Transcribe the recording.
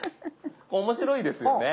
面白いですよね。